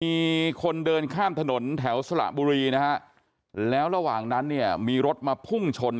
มีคนเดินข้ามถนนแถวสระบุรีนะฮะแล้วระหว่างนั้นเนี่ยมีรถมาพุ่งชน